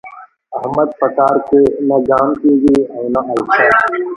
احمد په کار کې نه ګام کېږي او نه الشه.